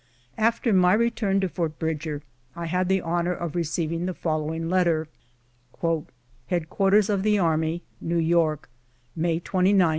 After my return to Fort Bridger, I had the honor of re ceiving the following letter : "Head quarters of the Army, New York, May 29, 1858.